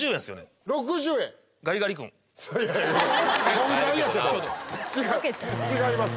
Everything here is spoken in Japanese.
そんぐらいやけど違う違います